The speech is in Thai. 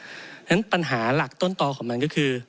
เพราะฉะนั้นปัญหาหลักต้นต่อของมันก็คือ